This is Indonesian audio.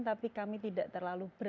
tapi kami tidak terlalu berat